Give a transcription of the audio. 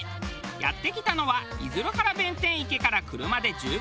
やって来たのは出流原弁天池から車で１５分。